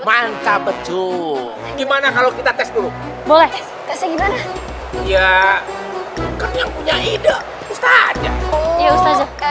mantap betul gimana kalau kita tes dulu boleh gimana ya kan yang punya ide ustaz ya kayak